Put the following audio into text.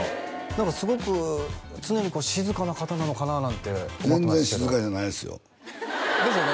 何かすごく常に静かな方なのかななんて思ってましたけど全然静かじゃないですよですよね